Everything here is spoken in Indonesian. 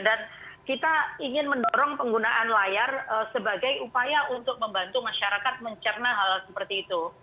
dan kita ingin mendorong penggunaan layar sebagai upaya untuk membantu masyarakat mencerna hal hal seperti itu